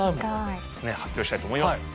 発表したいと思います。